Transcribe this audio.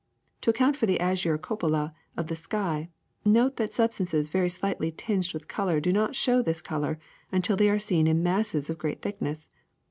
To account for the azure cupola of the sky, note that substances very slightly tinged with color do not show this color until they are seen in masses of great thickness.